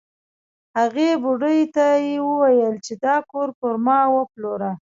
هغې بوډۍ ته یې وویل چې دا کور پر ما وپلوره.